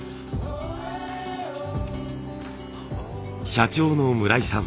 社長の村井さん。